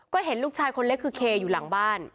ก็เห็นลูกชายคนเล็กคือเคอยู่หลังบ้าน